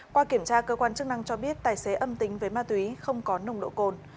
qua kiểm tra cơ quan chức năng cho biết tài xế âm tính với ma túy không có nồng độ cồn